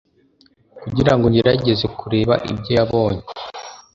kugirango ngerageze kureba ibyo yabonye